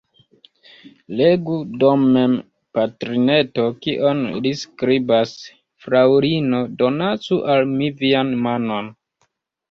Legu do mem, patrineto, kion li skribas: « Fraŭlino, donacu al mi vian manon!